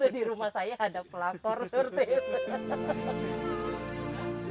jadi rumah saya ada pelapor seperti itu